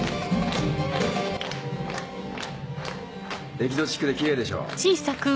エキゾチックでキレイでしょ？